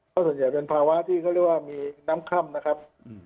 เพราะส่วนใหญ่เป็นภาวะที่เขาเรียกว่ามีน้ำค่ำนะครับ